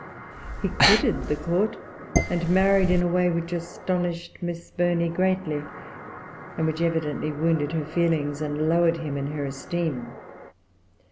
He[Pg 371] quitted the Court, and married in a way which astonished Miss Burney greatly, and which evidently wounded her feelings, and lowered him in her esteem.